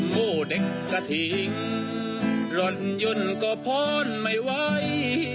โมเด็กกะทิงหล่อนยุ่นก็พ้อนไม่ไหว